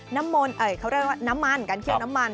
เขาเรียกว่าน้ำมันการเคี่ยวน้ำมัน